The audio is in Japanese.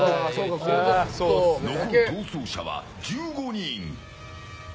残る逃走者は１５人。